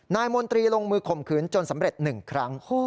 นายมนตรีลงมือข่มขืนจนสำเร็จหนึ่งครั้ง